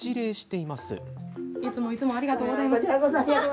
いつもいつもありがとうございます。